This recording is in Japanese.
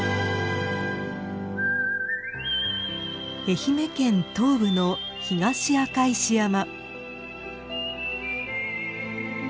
愛媛県東部の東赤石山。